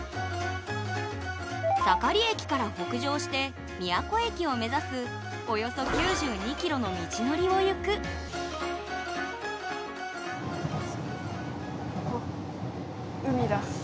盛駅から北上して宮古駅を目指すおよそ９２ｋｍの道のりをゆく海。